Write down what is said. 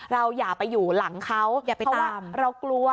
เราอย่าไปอยู่หลังเขาเพราะว่าเรากลัว